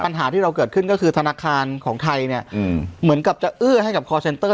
ปัญหาที่เราเกิดขึ้นก็คือธนาคารของไทยเนี่ยเหมือนกับจะเอื้อให้กับคอร์เซ็นเตอร์